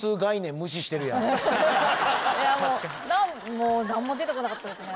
もう何も出てこなかったですね